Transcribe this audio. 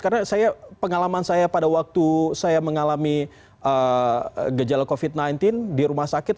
karena pengalaman saya pada waktu saya mengalami gejala covid sembilan belas di rumah sakit